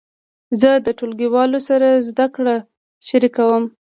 زه د ټولګیوالو سره زده کړه شریکوم.